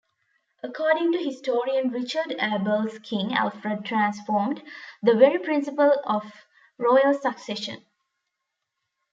According to historian Richard Abels King Alfred transformed the very principle of royal succession.